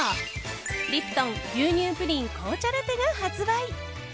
リプトン牛乳プリン紅茶ラテが発売。